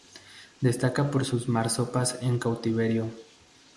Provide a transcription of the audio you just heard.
Destaca por sus marsopas en cautiverio.